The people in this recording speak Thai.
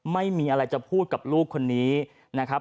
ไม่มีอะไรจะพูดกับลูกคนนี้นะครับ